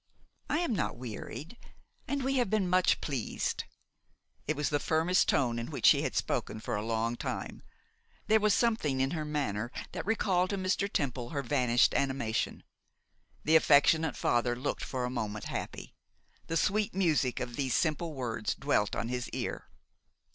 'I am not wearied; and we have been much pleased.' It was the firmest tone in which she had spoken for a long time. There was something in her manner which recalled to Mr. Temple her vanished animation. The affectionate father looked for a moment happy. The sweet music of these simple words dwelt on his ear.